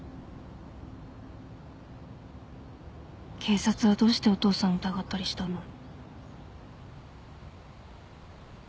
警察はどうしてお父さんを疑ったりしたんだろう。